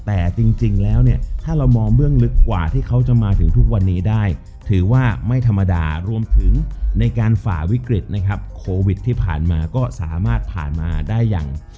แต่จริงแล้วเนี่ยถ้าเรามองเบื้องลึกกว่าที่เขาจะมาถึงทุกวันนี้ได้ถือว่าไม่ธรรมดารวมถึงในการฝ่าวิกฤตนะครับโควิดที่ผ่านมาก็สามารถผ่านมาได้อย่าง